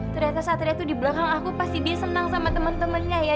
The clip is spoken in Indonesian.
ternyata satria itu di belakang aku pasti dia senang sama teman temannya ya